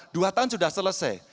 dua tahun sudah selesai